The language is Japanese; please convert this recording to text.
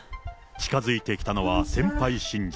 近づいてきたのは、先輩信者。